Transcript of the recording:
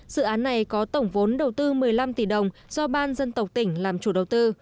dự án này có tổng vốn đầu tư một mươi năm tỷ đồng do ban dân tộc tỉnh làm chủ đầu tư